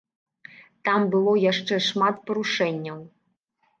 Там было яшчэ шмат парушэнняў.